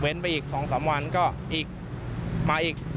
เว้นไปอีกสองสามวันก็มาอีก